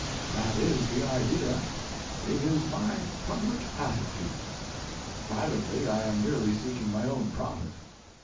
That is the idea. It is my public attitude; privately I am merely seeking my own profit.